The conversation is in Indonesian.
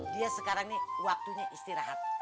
dia sekarang ini waktunya istirahat